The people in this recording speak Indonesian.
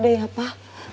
udah ya pak